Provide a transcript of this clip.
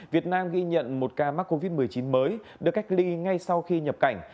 việt nam ghi nhận một ca mắc covid một mươi chín mới được cách ly ngay sau khi nhập cảnh